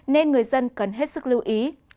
nên người dân cần hết sức lưu ý